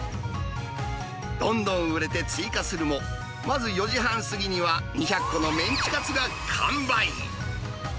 どんどん売れて追加するも、まず４時半過ぎには、２００個のメンチカツが完売。